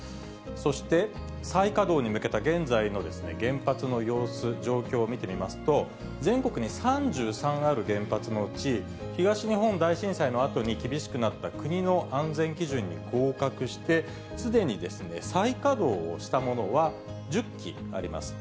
そして再稼働に向けた現在の原発の様子、状況を見てみますと、全国に３３ある原発のうち、東日本大震災のあとに厳しくなった国の安全基準に合格して、すでに再稼働をしたものは１０基あります。